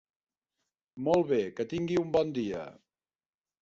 Molt bé, que tingui un bon dia.